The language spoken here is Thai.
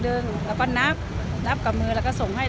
เราก็นับนับกับมือแล้วก็ส่งให้